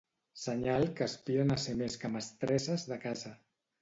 Senyal que aspiren a ser més que mestresses de casa.